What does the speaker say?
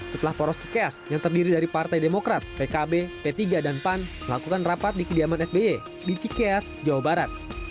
setelah poros cikeas yang terdiri dari partai demokrat pkb p tiga dan pan melakukan rapat di kediaman sby di cikeas jawa barat